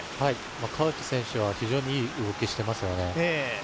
川内選手は非常にいい動きしてますよね。